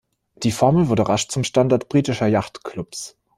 Die Formel wurde rasch zum Standard britischer Yachtclubs.